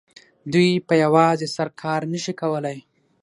دوی په یوازې سر کار نه شي کولای